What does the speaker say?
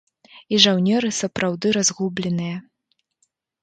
І жаўнеры сапраўды разгубленыя.